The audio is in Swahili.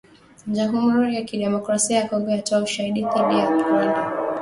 Jamhuri ya Kidemokrasia ya kongo yatoa ushahidi dhidi ya Rwanda.